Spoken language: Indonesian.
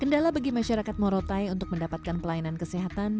kendala bagi masyarakat morotai untuk mendapatkan pelayanan kesehatan